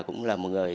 cũng là một người